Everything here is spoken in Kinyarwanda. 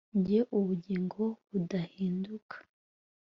Njye ubugingo budahinduka